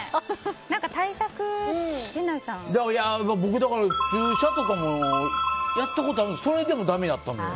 僕、注射とかもやったことあるんですけどそれでもだめやったので。